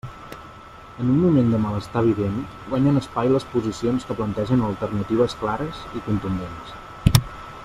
En un moment de malestar evident guanyen, espai les posicions que plantegen alternatives clares i contundents.